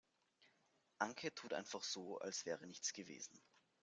Anke tut einfach so, als wäre nichts gewesen.